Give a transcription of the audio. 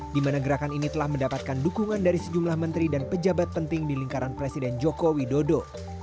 di mana gerakan ini telah mendapatkan dukungan dari sejumlah menteri dan pejabat penting di lingkaran presiden joko widodo